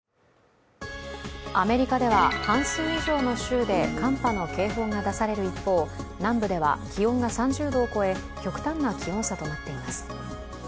アメリカでは半数以上の州で寒波の警報が出される一方、南部では気温が３０度を超え極端な気温差となっています。